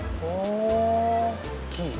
mereka lagi ribet nih